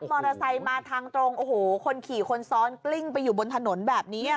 มอเตอร์ไซค์มาทางตรงโอ้โหคนขี่คนซ้อนกลิ้งไปอยู่บนถนนแบบนี้อ่ะ